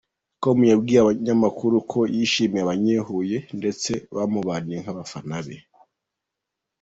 com yabwiye umunyamakuru ko yishimiye abanye-Huye ndetse bamubaniye nk'abafana be.